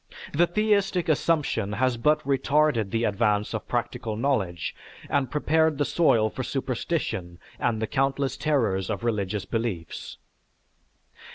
The theistic assumption has but retarded the advance of practical knowledge, and prepared the soil for superstition and the countless terrors of religious beliefs.